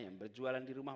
yang berjualan di rumah